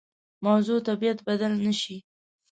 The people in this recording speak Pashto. موضوع طبیعت بدل نه شي.